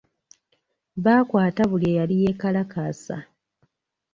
Baakwata buli eyali yeekalakaasa.